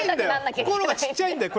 心がちっちゃいんだよ。